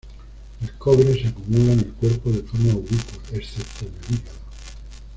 El cobre se acumula en el cuerpo de forma ubicua, excepto en el hígado.